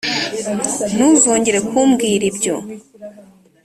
ntuzongere kumbwira ibyo.